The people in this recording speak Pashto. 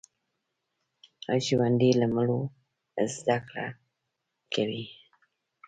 ژوندي له مړو زده کړه کوي